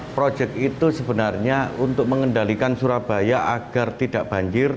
proyek itu sebenarnya untuk mengendalikan surabaya agar tidak banjir